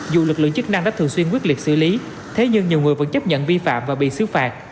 dù lực lượng chức năng đã thường xuyên quyết liệt xử lý thế nhưng nhiều người vẫn chấp nhận vi phạm và bị xứ phạt